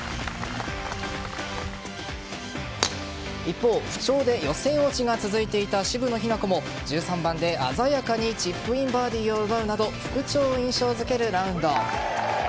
一方、不調で予選落ちが続いていた渋野日向子も１３番で鮮やかにチップインバーディーを奪うなど復調を印象づけるラウンド。